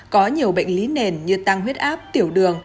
có nhiều bệnh lý nền như tăng huyết áp tiểu đường